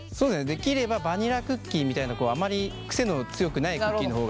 できればバニラクッキーみたいなあまりクセの強くないクッキーの方が。